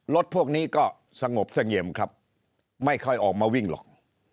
รถพวกนี้ก็สงบเสงี่ยมครับไม่ค่อยออกมาวิ่งหรอก